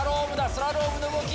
スラロームの動き。